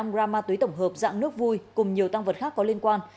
tám mươi ba năm g ma túy tổng hợp dạng nước vui cùng nhiều tăng vật khác có liên quan